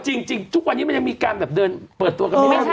จริงทุกวันนี้มันยังมีการแบบเดินเปิดตัวกันไม่ได้